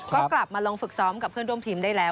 ก็กลับมาลงฝึกซ้อมกับเพื่อนร่วมทีมได้แล้ว